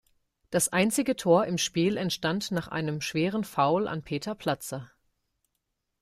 Das einzige Tor im Spiel entstand nach einem schweren Foul an Peter Platzer.